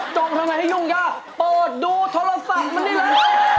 จงทำไมให้ยุ่งจ้าเปิดดูโทรศัพท์มานี่แหละ